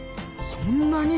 そんなに！？